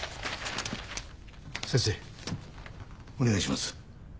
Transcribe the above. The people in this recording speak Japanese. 先生お願いします。